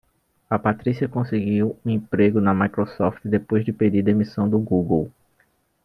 A Patrícia conseguiu um emprego na Microsoft depois de pedir demissão do Google.